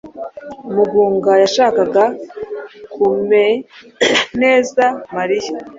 Mugunga yashakaga kumea neza Mariya.